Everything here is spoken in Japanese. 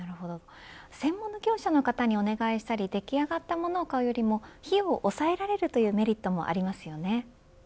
専門の業者の方にお願いしたり出来上がったものを買うよりも費用を抑えられるというメリットもありますよね。